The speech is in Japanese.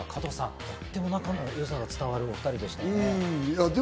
とっても仲の良さが伝わるお２人でしたね。